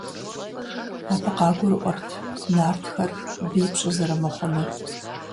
Абы къагурыӀуэрт нартхэр бий пщӀы зэрымыхъунур.